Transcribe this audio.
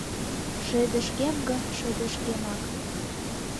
Шыдешкем гын – шыдешкемак.